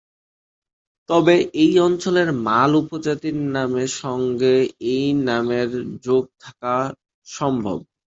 তবে এই অঞ্চলের মাল উপজাতির নামের সঙ্গে এই নামের যোগ থাকা সম্ভব।